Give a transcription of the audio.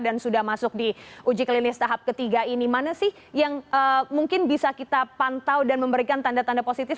dan sudah masuk di uji klinis tahap ketiga ini mana sih yang mungkin bisa kita pantau dan memberikan tanda tanda positif